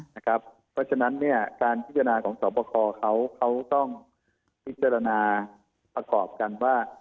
เพราะฉะนั้นการพิจารณาของสอบประคอเขาต้องพิจารณาประกอบกันว่า